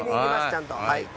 ちゃんと。